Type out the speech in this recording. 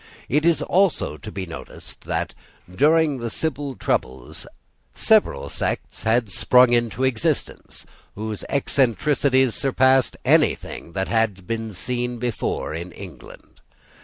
It is also to be noticed that during the civil troubles several sects had sprung into existence, whose eccentricities surpassed anything that had before been seen in England.